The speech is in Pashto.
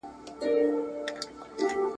د رنګولو دوامداره استعمال حساسیت پیدا کولی شي.